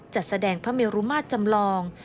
จัดแสดงพระเมรุมาตรจำลอง